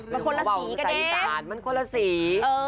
เสียงสะอาดมันคนละสี